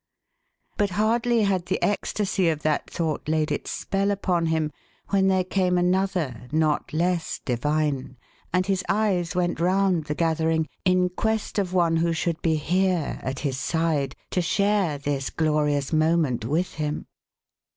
But hardly had the ecstasy of that thought laid its spell upon him when there came another not less divine, and his eyes went round the gathering in quest of one who should be here at his side to share this glorious moment with him.